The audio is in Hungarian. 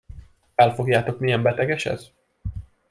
Felfogjátok, milyen beteges ez?